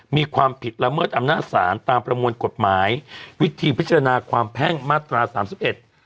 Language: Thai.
มีความผิดละเมิดอำนาจศาลตามประมวลกฎหมายวิธีพิจารณาความแพ่งมาตราสามสิบเอ็ด